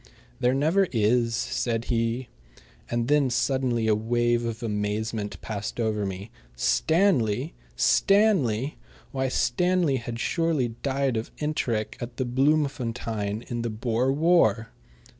"There never is," said he. And then suddenly a wave of amazement passed over me. Stanley! Stanley! Why, Stanley had surely died of enteric at Bloemfontein in the Boer War!